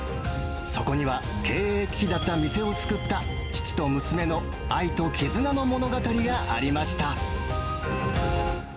そこには経営危機だった店を救った、父と娘の愛と絆の物語がありました。